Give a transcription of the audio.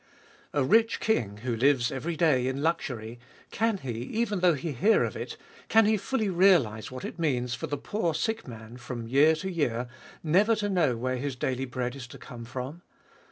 A rich king, who lives every day in luxury, can he, even though he hear of it, — can he fully realise what it means for the poor sick man, from year to year, never to know where his daily bread is to come from